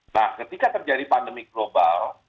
nah ketika terjadi pandemi global